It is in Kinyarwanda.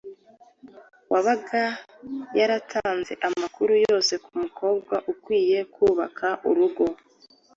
wabaga yaratanze amakuru yose ku mukobwa ukwiye kubaka urugo,